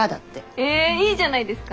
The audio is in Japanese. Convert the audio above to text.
えいいじゃないですか。